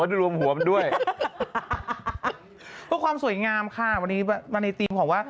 จะรวมหัวมันด้วยเพื่อความสวยงามค่ะวันนี้มาในธีมของว่า